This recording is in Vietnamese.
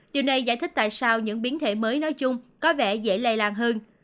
điều này giải thích tại sao những biến thể mới nói chung có vẻ dễ lây lan hơn